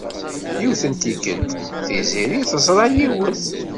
Yiwet n tikkelt, Tiziri teẓra yiwet.